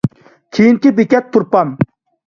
كېيىنكى بېكەت تۇرپان.